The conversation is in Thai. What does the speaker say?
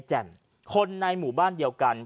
ชาวบ้านญาติโปรดแค้นไปดูภาพบรรยากาศขณะ